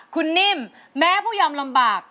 คุณนิ่มแม้ผู้ยอมลำบาก